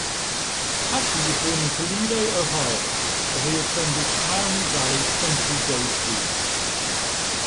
Ashley was born in Toledo, Ohio where he attended Maumee Valley Country Day School.